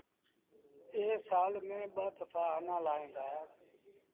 اي سآل ميݩ ٻآ دڦآ آنآ لآوهيݩ دآ